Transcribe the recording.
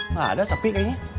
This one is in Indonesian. nggak ada sepi kayaknya